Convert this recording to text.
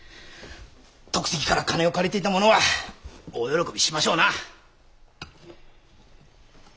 得石から金を借りていた者は大喜びしましょうな。